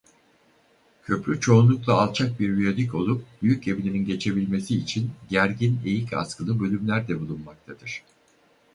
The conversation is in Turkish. Köprü çoğunlukla alçak bir viyadük olup büyük gemilerin geçebilmesi için gergin eğik askılı bölümler de bulunmaktadır.